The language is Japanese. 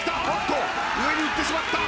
上に行ってしまった。